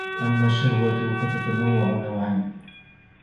وَأَمَّا الشَّهْوَةُ فَتَتَنَوَّعُ نَوْعَيْنِ